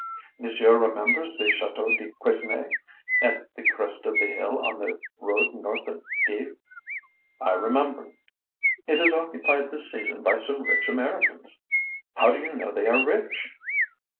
"Monsieur remembers the Chateau de Quesnay at the crest of the hill on the road north of Dives?" "I remember." "It is occupied this season by some rich Americans." "How do you know they are rich?"